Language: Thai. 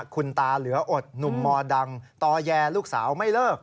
คุณตาเหลืออดหนุ่มมดังต่อแย่ลูกสาวไม่เลิก